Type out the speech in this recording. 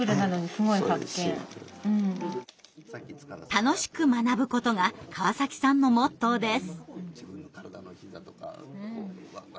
「楽しく学ぶ」ことが川崎さんのモットーです。